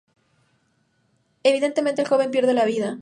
Evidentemente el joven pierde la vida.